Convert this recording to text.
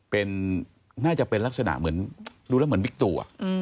เป็นน่าจะเป็นลักษณะเหมือนดูแล้วเหมือนบิ๊กตัว